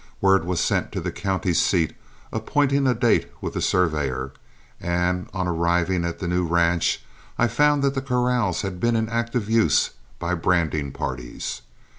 Word was sent to the county seat, appointing a date with the surveyor, and on arriving at the new ranch I found that the corrals had been in active use by branding parties.